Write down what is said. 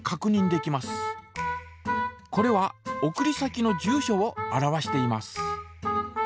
これは送り先の住所を表しています。